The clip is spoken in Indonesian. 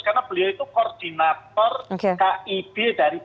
karena beliau itu koordinator kib dari p tiga